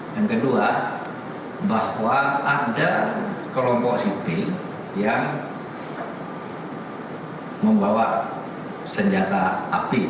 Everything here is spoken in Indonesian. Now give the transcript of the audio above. yang kedua bahwa ada kelompok sipil yang membawa senjata api